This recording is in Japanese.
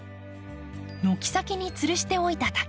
軒先につるしておいた竹。